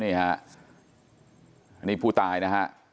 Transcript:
นี่ฮะอันนี้ผู้ตายนะฮะ